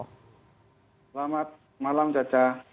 selamat malam caca